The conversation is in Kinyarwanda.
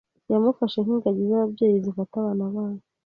Yamufashe nk'ingagi z'ababyeyi zifata abana babo.